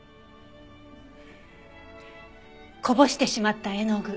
こぼしてしまった絵の具。